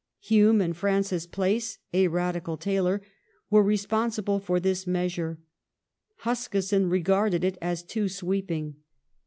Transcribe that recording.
Hume and Francis Place ^— a radical tailor — were responsible for this measure ; Huskisson regarded it as too sweeping.